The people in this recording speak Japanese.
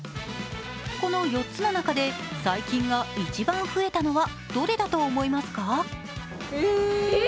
この４つの中で細菌が一番増えたのはどれだと思いますか？